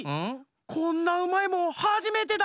こんなうまいもんはじめてだ！